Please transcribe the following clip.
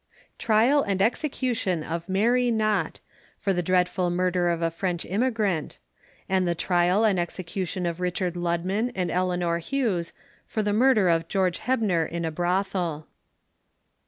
Trial and Execution of Mary Nott, for the dreadful Murder of a French emigrant; and the Trial and Execution of Richard Ludman and Eleanor Hughes, for the Murder of George Hebner in a Brothel.